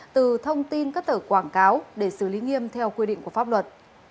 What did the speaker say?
từ thông tin các tờ quảng cáo để xử lý nghiêm theo quy định của pháp luật